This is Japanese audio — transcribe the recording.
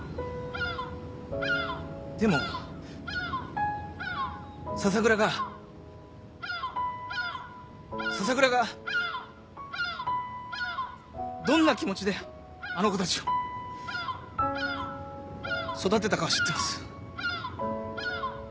でも笹倉が笹倉がどんな気持ちであの子たちを育てたかは知ってます。